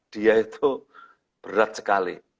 dia itu berat sekali